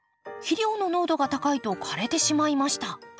肥料の濃度が高いと枯れてしまいました。